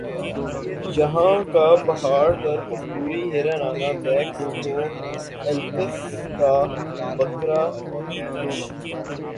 یَہاں کا پہاڑ پر کستوری ہرن آنا بیکس کوہ ایلپس کا بکرا ریچھ